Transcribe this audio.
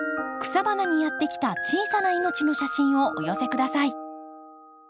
草花にやって来た小さな命の写真をお寄せ下さい。